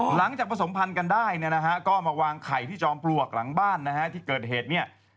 หลังจากผสมพันธ์กันได้เนี่ยนะฮะก็มาวางไข่ที่จอมปลวกหลังบ้านนะฮะที่เกิดเหตุเนี่ย